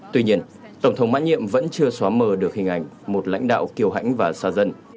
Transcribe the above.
tuy nhiên tổng thống mãn nhiệm vẫn chưa xóa mờ được hình ảnh một lãnh đạo kiều hãnh và xa dân